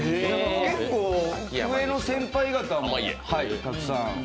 結構上の先輩方もたくさん。